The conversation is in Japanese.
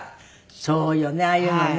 そうよねああいうのね。